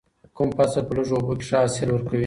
کوم فصل په لږو اوبو کې ښه حاصل ورکوي؟